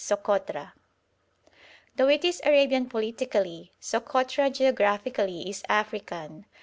_ Sokotra. Though it is Arabian politically, Sokotra geographically is African.